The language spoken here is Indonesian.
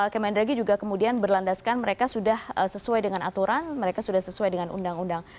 kemendagri juga kemudian berlandaskan mereka sudah sesuai dengan aturan mereka sudah sesuai dengan undang undang